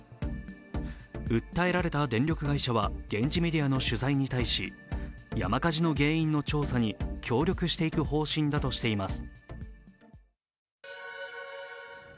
訴えられた電力会社は現地メディアの取材に対し、山火事の原因の調査に協力していく方針だとしています。